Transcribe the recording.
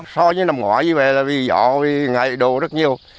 so với năm ngoái như vậy là vì dọ vì ngại đồ rất nhiều